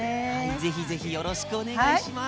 是非是非よろしくお願いします。